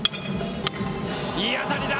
いい当たりだ。